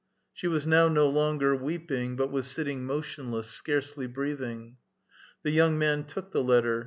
She was now no longer weeping, but was sitting motionless, scarcely breathing. The young man took the letter.